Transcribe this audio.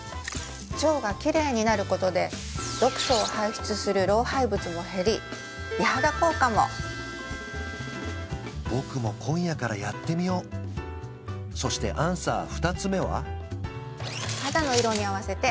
腸がきれいになることで毒素を排出する老廃物も減り美肌効果も僕も今夜からやってみようそしてアンサー２つ目は？